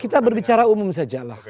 kita berbicara umum saja lah